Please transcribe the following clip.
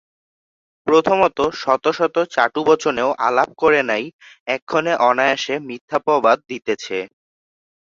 প্রথমত শত শত চাটু বচনেও আলাপ করে নাই এক্ষণে অনায়সে মিথ্যাপবাদ দিতেছে।